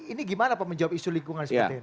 ini gimana pak menjawab isu lingkungan seperti ini